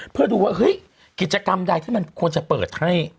เพื่อดูว่าเฮ้ยกิจกรรมใดที่มันควรจะเปิดให้